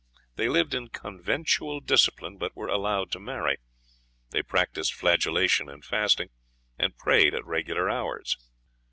They lived in conventual discipline, but were allowed to marry; they practised flagellation and fasting, and prayed at regular hours.